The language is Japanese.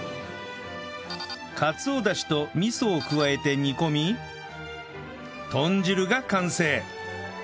かつおダシと味噌を加えて煮込み豚汁が完成